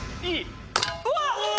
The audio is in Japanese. うわっ！